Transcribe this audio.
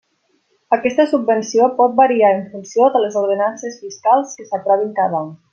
Aquesta subvenció pot variar en funció de les ordenances fiscals que s'aprovin cada any.